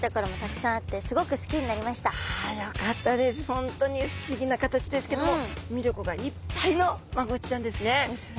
本当に不思議な形ですけども魅力がいっぱいのマゴチちゃんですね。ですね！